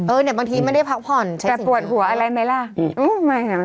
เออส่งมากแต่ปวดหัวอะไรไหมล่ะ